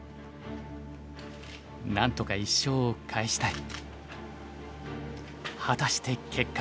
なんとか１勝を返したい。